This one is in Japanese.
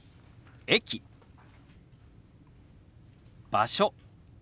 「場所」。